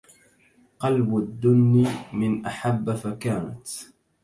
قلب الدن من أحب فكانت